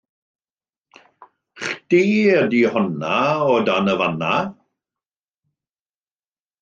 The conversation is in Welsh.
Chdi ydi honna o dan y fan yna